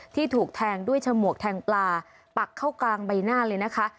ถูกแทงด้วยฉมวกแทงปลาปักเข้ากลางใบหน้าเลยนะคะ